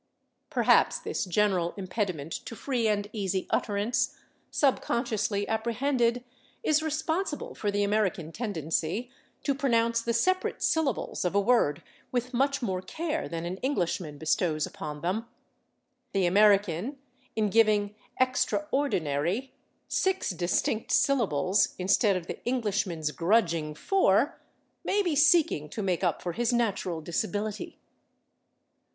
Perhaps this general impediment to free and easy utterance, subconsciously apprehended, is responsible for the American tendency to pronounce the separate syllables of a word with much more care than an Englishman bestows upon them; the American, in giving /extraordinary/ six distinct syllables instead of the Englishman's grudging four, may be seeking to make up for his natural disability.